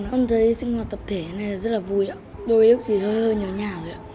con thấy sinh hoạt tập thể này rất là vui ạ đôi lúc thì hơi hơi nhớ nhà rồi ạ